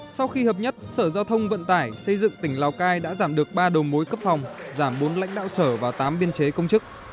sau khi hợp nhất sở giao thông vận tải xây dựng tỉnh lào cai đã giảm được ba đầu mối cấp phòng giảm bốn lãnh đạo sở và tám biên chế công chức